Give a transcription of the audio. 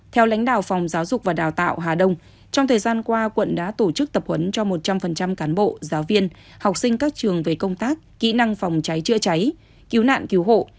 theo lãnh đạo phòng giáo dục và đào tạo hà đông trong thời gian qua quận đã tổ chức tập huấn cho một trăm linh cán bộ giáo viên học sinh các trường về công tác kỹ năng phòng cháy chữa cháy cứu nạn cứu hộ